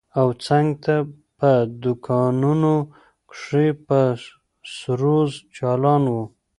او څنگ ته په دوکانونو کښې به سروذ چالان و.